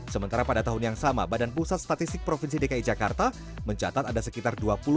sementara pada tahun yang sama badan pusat statistik provinsi dki jakarta mencatat ada sekitar